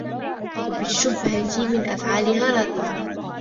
وَبِالشُّبْهَةِ مِنْ أَفْعَالِهَا رَاضِيًا